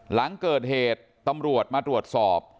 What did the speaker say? หลังเกิดเหตุตำรวจมาตรวจสอบ